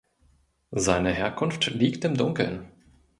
Seine Herkunft liegt im Dunkeln.